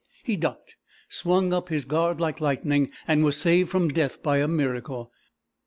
He ducked, swung up his guard like lightning, and was saved from death by a miracle.